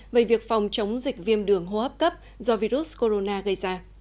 về việc phòng chống dịch viêm đường hô hấp cấp do virus corona gây ra